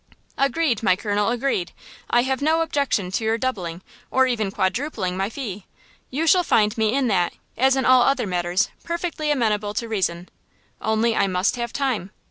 "Agreed, my colonel, agreed! I have no objection to your doubling, or even quadrupling, my fee. You shall find me in that, as in all other matters, perfectly amenable to reason. Only I must have time.